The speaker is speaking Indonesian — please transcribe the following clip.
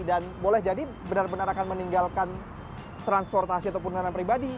dan boleh jadi benar benar akan meninggalkan transportasi atau perjalanan pribadi